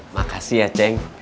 makasih ya ceng